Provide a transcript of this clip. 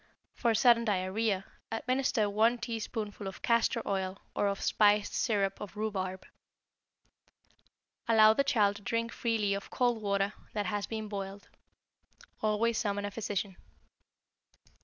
For sudden diarrhoea, administer one teaspoonful of castor oil or of spiced syrup of rhubarb. Allow the child to drink freely of cold water that has been boiled. Always summon a physician.